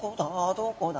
どこだ？